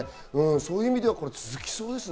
そういう意味では続きそうですね。